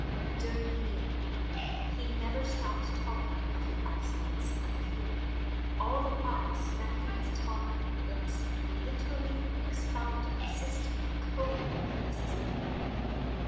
During the meal he never stopped talking of the excellence of the food, all the while smacking his tongue and lips, and literally expounding a system of culinary criticism.